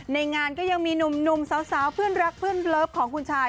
ในงานก็ยังมีหนุ่มสาวเพื่อนรักเพื่อนเลิฟของคุณชาย